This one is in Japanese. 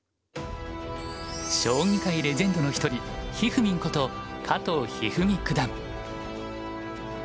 将棋界レジェンドの一人ひふみんこと加藤一二三九段。